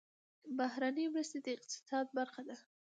بهرنۍ مرستې د اقتصاد برخه ده